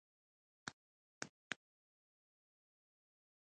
پلار او زوی د جمعې لمانځه ته لاړل، مستو یې پالوې.